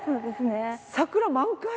桜満開！